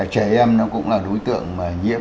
trẻ em nó cũng là đối tượng nhiễm